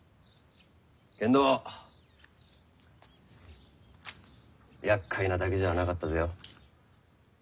けんど厄介なだけじゃなかったぜよ。